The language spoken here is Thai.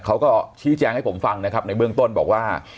เขาก็ชี้แจงให้ผมฟังนะครับในเบื้องต้นบอกว่า